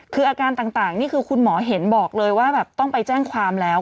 คืออาการต่างนี่คือคุณหมอเห็นบอกเลยว่าแบบต้องไปแจ้งความแล้ว